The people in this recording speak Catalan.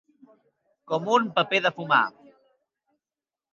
Com un paper de fumar.